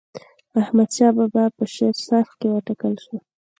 احمدشاه بابا په شیرسرخ کي و ټاکل سو.